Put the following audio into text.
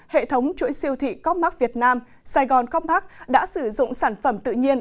hệ thống chuỗi siêu thị cóc mắc việt nam sài gòn cóc mắc đã sử dụng sản phẩm tự nhiên